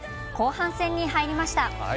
後半戦に入りました。